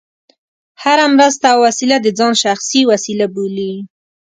هره مرسته او وسیله د ځان شخصي وسیله بولي.